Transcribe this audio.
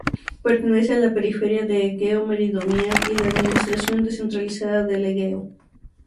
Pertenece a la periferia de Egeo Meridional y a la administración descentralizada del Egeo.